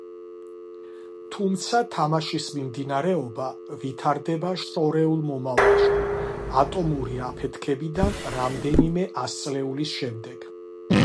თუმცა თამაშის მიმდინარეობა ვითარდება შორეულ მომავალში, ატომური აფეთქებიდან რამდენიმე ასწლეულის შემდეგ.